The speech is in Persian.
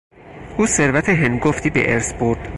او ثروت هنگفتی به ارث برد.